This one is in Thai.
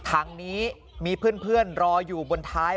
ถังนี้มีเพื่อนรออยู่บนท้าย